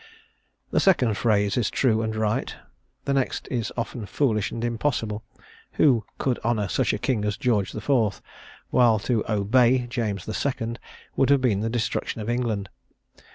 The second phrase is true and right; the next is often foolish and impossible. Who could honour such a king as George IV.? while to "obey" James II. would have been the destruction of England.